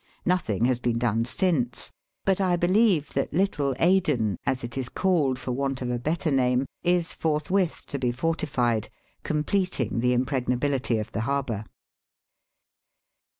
Nothing has been done since, but I beHeve that Little Aden, as it is called for want of a better name, is forthwith to be fortified,, completing the impregnability of the harbour.